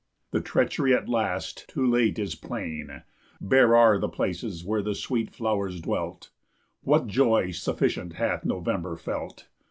The treachery, at last, too late, is plain; Bare are the places where the sweet flowers dwelt. What joy sufficient hath November felt?